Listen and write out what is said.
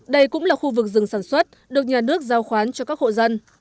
đây cũng là khu vực rừng sản xuất được nhà nước giao khoán cho các hộ dân